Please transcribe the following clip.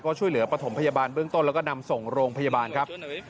ก็ช่วยเหลือปฐมพยาบาลเบื้องต้นแล้วก็นำส่งโรงพยาบาลครับ